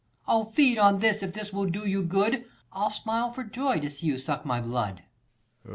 35 Oh, feed on this, if this will do you good, I'll smile for joy, to see you suck my blood.